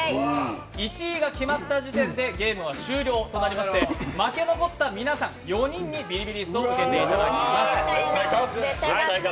１位が決まった時点でゲームは終了となりまして負け残った皆さん４人にビリビリ椅子を受けていただきます。